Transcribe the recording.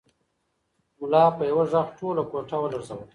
ملا په یوه غږ ټوله کوټه ولړزوله.